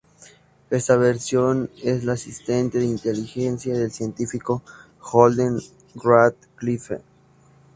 Esta versión es la asistente de inteligencia del científico Holden Radcliffe.